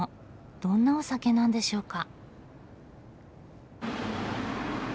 どんなお酒なんでしょうか？